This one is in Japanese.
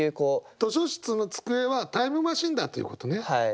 図書室の机はタイムマシンだということね。